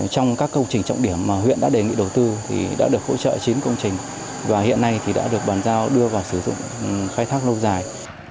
trong các công trình trọng điểm mà huyện đã đề nghị đầu tư thì đã được hỗ trợ chín công trình và hiện nay thì đã được bàn giao đưa vào sử dụng khai thác lâu dài